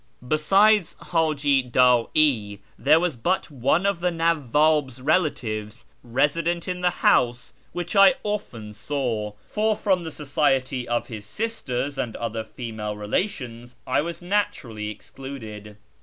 Besides Haji Da'i there was but one of the Nawwab's relatives resident in the house whom I often saw (for from the society of his sisters and other female relations I was naturally excluded).